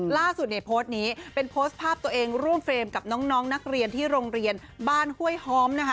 ล่าสุดในโพสต์นี้เป็นโพสต์ภาพตัวเองร่วมเฟรมกับน้องนักเรียนที่โรงเรียนบ้านห้วยหอมนะคะ